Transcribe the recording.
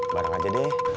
barang aja deh